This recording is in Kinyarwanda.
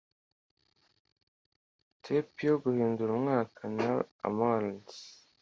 tape yo guhindura umwaka na a. r. ammons